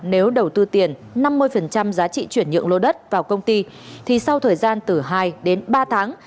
nếu đầu tư tiền năm mươi giá trị chuyển nhượng lô đất vào công ty thì sau thời gian từ hai đến ba tháng